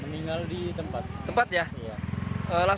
jadi ini boleh dibilang